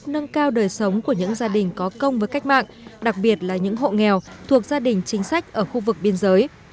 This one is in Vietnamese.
nâng cao đời sống của những gia đình có công với cách mạng đặc biệt là những hộ nghèo thuộc gia đình chính sách ở khu vực biên giới